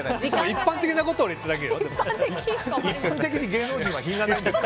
一般的なことを言っただけです。